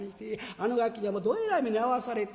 あのガキにはもうどえらい目に遭わされて」。